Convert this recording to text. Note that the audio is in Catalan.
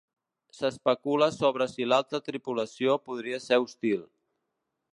S'especula sobre si l'altra tripulació podria ser hostil.